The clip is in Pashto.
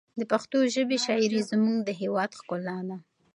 د پښتو ژبې شاعري زموږ د هېواد ښکلا ده.